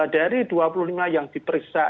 dari dua puluh lima yang diperiksa